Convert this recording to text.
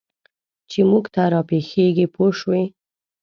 چې موږ ته را پېښېږي پوه شوې!.